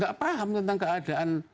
gak paham tentang keadaan